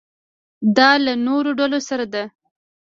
دا له نورو ډلو سره ده.